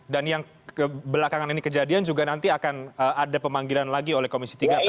dan yang kebelakangan ini kejadian juga nanti akan ada pemanggilan lagi oleh komisi tiga terhadap